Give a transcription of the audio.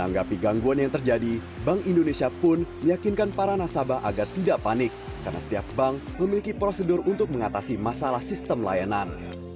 menanggapi gangguan yang terjadi bank indonesia pun meyakinkan para nasabah agar tidak panik karena setiap bank memiliki prosedur untuk mengatasi masalah sistem layanan